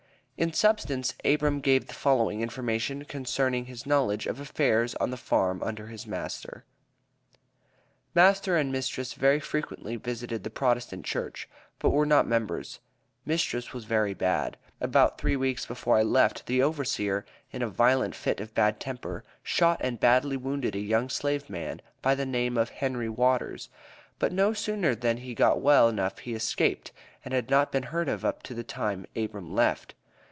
In substance, Abram gave the following information concerning his knowledge of affairs on the farm under his master "Master and mistress very frequently visited the Protestant Church, but were not members. Mistress was very bad. About three weeks before I left, the overseer, in a violent fit of bad temper, shot and badly wounded a young slave man by the name of Henry Waters, but no sooner than he got well enough he escaped, and had not been heard of up to the time Abram left.